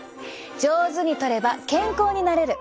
上手にとれば健康になれる。